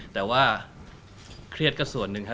แต่ว่าเครียดก็ส่วนหนึ่งครับ